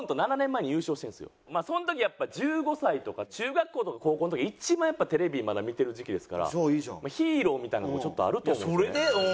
その時やっぱ１５歳とか中学校とか高校の時は一番やっぱテレビまだ見てる時期ですからヒーローみたいなのもちょっとあると思うんですよね。